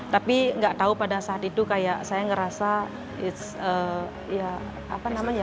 tapi nggak tahu pada saat itu kayak saya ngerasa it's ya apa namanya